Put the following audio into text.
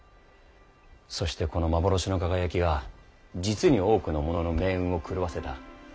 そしてこの幻の輝きが実に多くの者の命運を狂わせた。